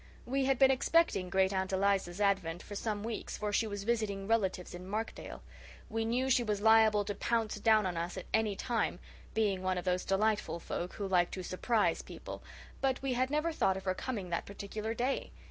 We had been expecting Great aunt Eliza's advent for some weeks, for she was visiting relatives in Markdale. We knew she was liable to pounce down on us any time, being one of those delightful folk who like to "surprise" people, but we had never thought of her coming that particular day.